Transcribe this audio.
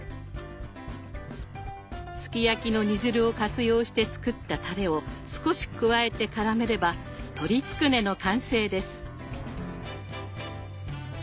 すき焼きの煮汁を活用して作ったたれを少し加えてからめれば鶏つくねの完成です。